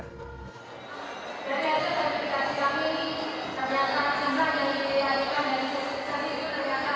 dan di jatuhkan terdapat seribu musuh peserta